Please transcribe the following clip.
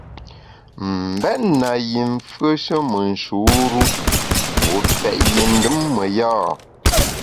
M’bèt na yi mfùeshe me nshur-u, wu pèt yi ndùm me ya ?